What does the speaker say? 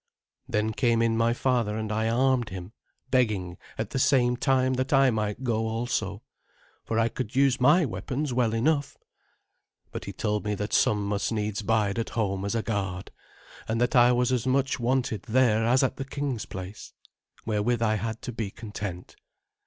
Then came in my father, and I armed him, begging at the same time that I might go also, for I could use /my/ weapons well enough; but he told me that some must needs bide at home as a guard, and that I was as much wanted there as at the king's place, wherewith I had to be content.